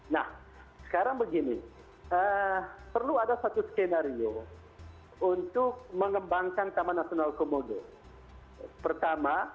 nah sekarang begini perlu ada satu skenario untuk mengembangkan taman nasional komodo pertama